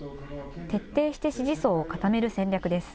徹底して支持層を固める戦略です。